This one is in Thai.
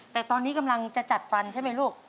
แต่ตอนนี้กำลังจะจัดฟันใช่ไหมลูก